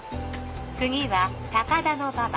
次は高田馬場